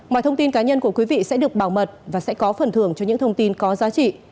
mọi thông tin cá nhân của quý vị sẽ được bảo mật và sẽ có phần thưởng cho những thông tin có giá trị